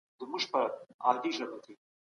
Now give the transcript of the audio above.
همکاري د ټولني ستني پياوړي کوي.